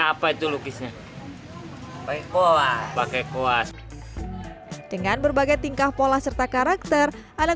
apa itu lukisnya baik wah pakai kuas dengan berbagai tingkah pola serta karakter anak